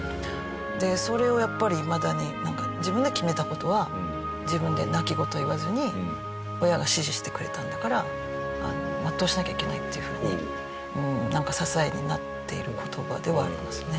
それをやっぱりいまだに自分で決めた事は自分で泣き言言わずに親が支持してくれたんだから全うしなきゃいけないっていう風になんか支えになっている言葉ではありますよね。